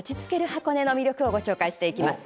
箱根の魅力をご紹介していきます。